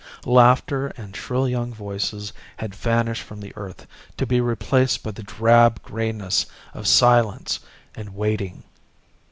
Laughter and shrill young voices had vanished from the earth to be replaced by the drab grayness of silence and waiting.